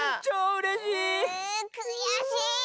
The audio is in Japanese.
うくやしい！